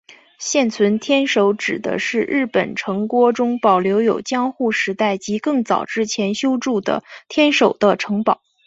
现存天守指的是日本城郭中保留有江户时代及更早之前修筑的天守的城堡。